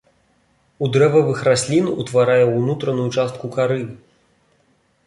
У дрэвавых раслін утварае ўнутраную частку кары.